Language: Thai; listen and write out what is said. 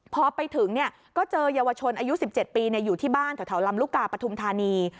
พอไปถึงก็เจอเยาวชนอายุ๑๗ปีอยู่ที่บ้านแถวลำลูกกาปฐุมธานี